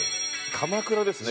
鎌倉ですね。